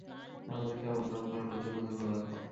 আমাদেরকে আমন্ত্রণ করবার জন্য ধন্যবাদ।